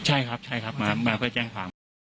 ใช่ครับใช่ครับมาเพื่อแจ้งความ